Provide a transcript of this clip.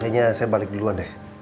kayaknya saya balik duluan deh